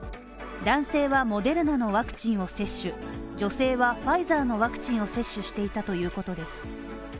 男性はモデルナのワクチンを接種女性はファイザーのワクチンを接種していたということです。